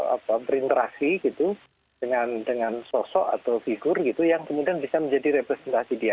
apa berinteraksi gitu dengan sosok atau figur gitu yang kemudian bisa menjadi representasi dia